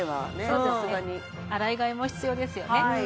さすがに洗い替えも必要ですよね